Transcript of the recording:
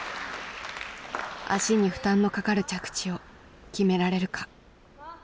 足に負担のかかる着地を決められるか。